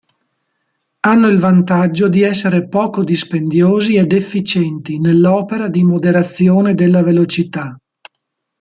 Hanno il vantaggio di essere poco dispendiosi ed efficienti nell'opera di moderazione della velocità.